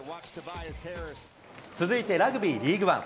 続いてラグビーリーグワン。